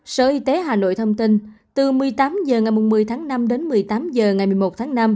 sở y tế hà nội thông tin từ một mươi tám h ngày một mươi tháng năm đến một mươi tám h ngày một mươi một tháng năm